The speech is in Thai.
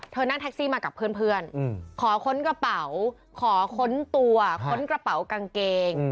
นั่งแท็กซี่มากับเพื่อนขอค้นกระเป๋าขอค้นตัวค้นกระเป๋ากางเกง